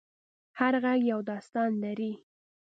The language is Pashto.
هر غږ یو داستان لري.